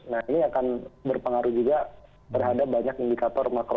nah ini akan berpengaruh juga terhadap banyak indikator makro